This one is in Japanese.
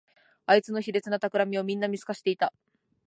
あいつの卑劣なたくらみをみんな見透かしていた